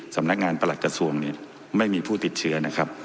สำนักงานประหลักกระทรวงเนี่ยไม่มีผู้ติดเชื้อนะครับ